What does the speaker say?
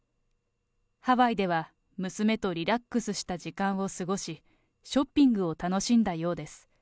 ハワイでは娘とリラックスした時間を過ごし、ショッピングを楽しんだようです。